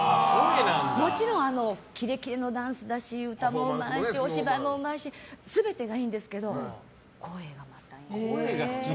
もちろん、キレキレのダンスだし歌もうまいしお芝居もうまいし全てがいいんですけど声がまたいいんです。